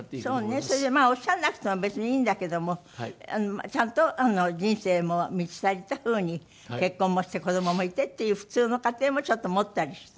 それでまあおっしゃらなくても別にいいんだけどもちゃんと人生も満ち足りた風に結婚もして子どももいてっていう普通の家庭もちょっと持ったりして。